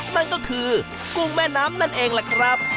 นั่นก็คือกุ้งแม่น้ำนั่นเองล่ะครับ